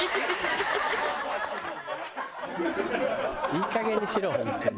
いいかげんにしろ本当に。